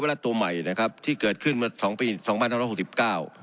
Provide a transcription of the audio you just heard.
ไว้และตัวใหม่นะครับที่เกิดขึ้นเมื่อสองปีสองบ้านทั้งหมดหกสิบเก้า